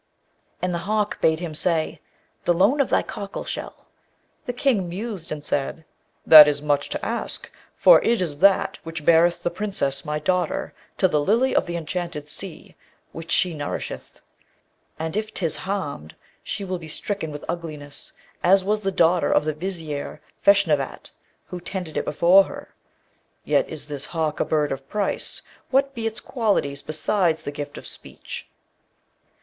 And the hawk bade him say, 'The loan of thy cockleshell.' The King mused, and said, 'That is much to ask, for it is that which beareth the Princess my daughter to the Lily of the Enchanted Sea, which she nourisheth; and if 'tis harmed, she will be stricken with ugliness, as was the daughter of the Vizier Feshnavat, who tended it before her. Yet is this hawk a bird of price. What be its qualities, besides the gift of speech?'